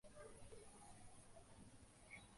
তিনি ট্র্যাজিকমেডি রচনায় আত্মনিয়োগ করেছিলেন।